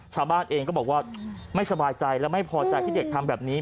ชาวบ้านเองก็บอกว่าไม่สบายใจและไม่พอใจที่เด็กทำแบบนี้